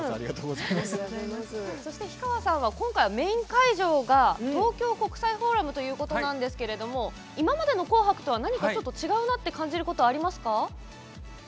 氷川さんは今回メイン会場が東京国際フォーラムということなんですけれど今までの「紅白」と何か違うなと感じることはありますか。。